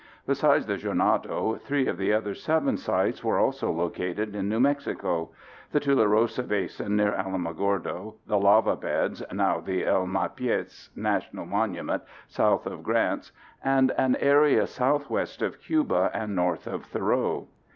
Besides the Jornada, three of the other seven sites were also located in New Mexico: the Tularosa Basin near Alamogordo, the lava beds (now the El Malpais National Monument) south of Grants, and an area southwest of Cuba and north of Thoreau.